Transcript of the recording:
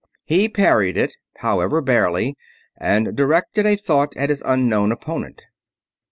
He parried it, however barely, and directed a thought at his unknown opponent.